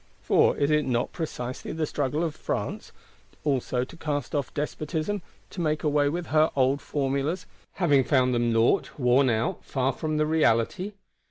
For is it not precisely the struggle of France also to cast off despotism; to make away with her old formulas,—having found them naught, worn out, far from the reality?